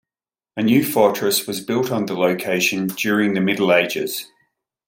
A new fortress was built on the location during the Middle Ages.